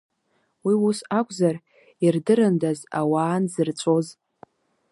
Уи ус акәзар, ирдырындаз ауаа нзырҵәоз.